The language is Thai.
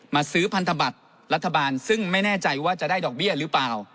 ซื้อพันธบัตรรัฐบาลซึ่งไม่แน่ใจว่าจะได้ดอกเบี้ยหรือเปล่า